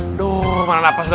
aduh mana nafas udah